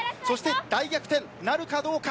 大逆転なるかどうか。